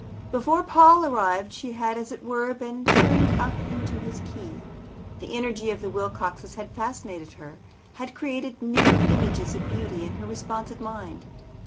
Before Paul arrived she had, as it were, been tuned up into his key. The energy of the Wilcoxes had fascinated her, had created new images of beauty in her responsive mind.